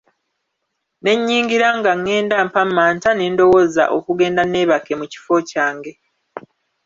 Ne nnyingira nga ngenda mpammanta ne ndowooza okugenda neebake mu kifo kyange.